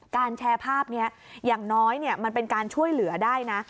แชร์ภาพนี้อย่างน้อยมันเป็นการช่วยเหลือได้นะ